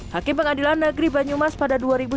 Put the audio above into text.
hakim pengadilan negeri banyumas pada dua ribu sembilan belas